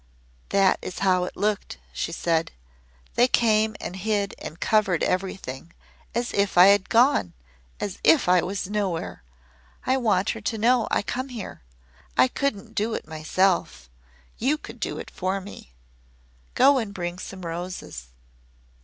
"That is how it looked," she said. "They came and hid and covered everything as if I had gone as if I was Nowhere. I want her to know I come here. I couldn't do it myself. You could do it for me. Go and bring some roses."